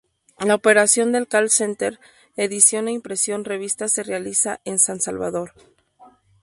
La operación del call center, edición e impresión revista se realiza en San Salvador.